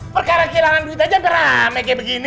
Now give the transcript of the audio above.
perkara kehilangan duit aja beramai begini